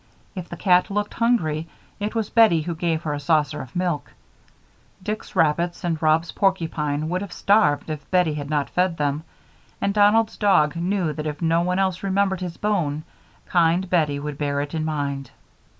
If the cat looked hungry, it was Bettie who gave her a saucer of milk. Dick's rabbits and Rob's porcupine would have starved if Bettie had not fed them, and Donald's dog knew that if no one else remembered his bone kind Bettie would bear it in mind.